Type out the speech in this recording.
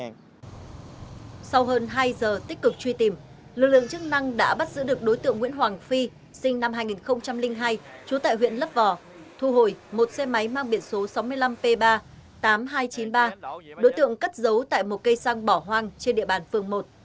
sau hơn hai giờ tích cực truy tìm lực lượng chức năng đã bắt giữ được đối tượng nguyễn hoàng phi sinh năm hai nghìn hai trú tại huyện lấp vò thu hồi một xe máy mang biển số sáu mươi năm p ba tám nghìn hai trăm chín mươi ba đối tượng cất giấu tại một cây xăng bỏ hoang trên địa bàn phường một